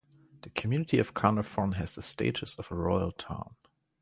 The community of Caernarfon has the status of a royal town.